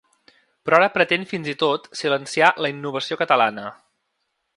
Però ara pretén fins i tot silenciar la innovació catalana.